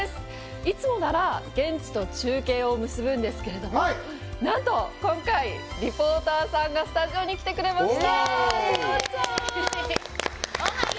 いつもなら現地と中継を結ぶんですけれども、なんと、今回、リポーターさんがスタジオに来てくれました！